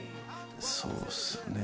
そうですね。